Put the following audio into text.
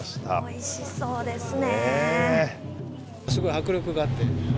おいしそうですね。